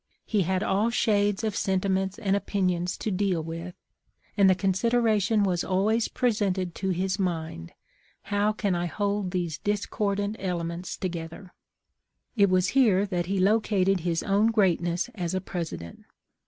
He had all shades of senti ments and opinions to deal with, and the considera tion was always presented to his mind, how can I hold these discordant elements together? " It was here that he located his own greatness as a President.